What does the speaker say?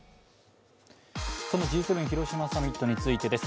Ｇ７広島サミットについてです。